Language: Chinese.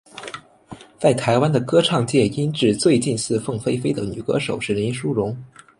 在台湾的歌唱界音质最近似凤飞飞的女歌手是林淑容。